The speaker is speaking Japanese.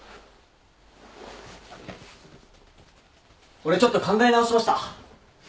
俺ちょっと考え直しました。